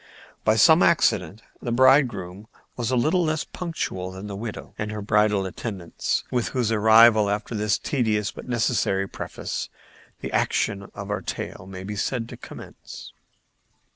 By some accident the bridegroom was a little less punctual than the widow and her bridal attendants, with whose arrival, after this tedious but necessary preface, the action of our tale may be said to commence.